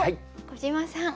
小島さん。